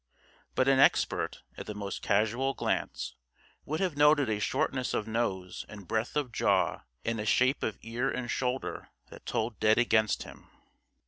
But an expert, at the most casual glance, would have noted a shortness of nose and breadth of jaw and a shape of ear and shoulder that told dead against him.